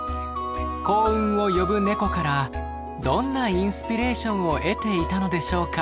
幸運を呼ぶネコからどんなインスピレーションを得ていたのでしょうか。